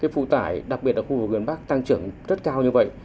phụ tải đặc biệt ở khu vực gần bắc tăng trưởng rất cao như vậy